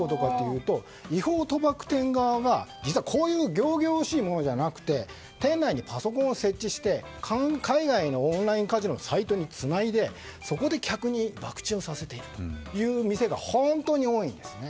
違法賭博店側がこういう仰々しいものじゃなくて店内にパソコンを設置して海外のオンラインカジノのサイトにつないでそこで客に博打をさせているという店が本当に多いんです。